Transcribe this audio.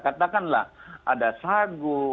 katakanlah ada sagu